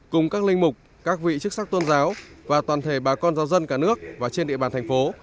cùng các linh mục các vị chức sắc tôn giáo và toàn thể bà con giáo dân cả nước và trên địa bàn thành phố